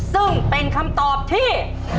ซึ่งเป็นคำตอบที่